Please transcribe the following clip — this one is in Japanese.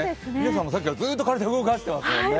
嶺さんもさっきからずっと体を動かしてますもんね。